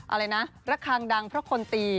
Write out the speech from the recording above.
อะไรนะระคังดังเพราะคนตี